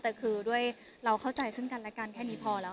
แต่คือด้วยเราเข้าใจซึ่งกันและกันแค่นี้พอแล้ว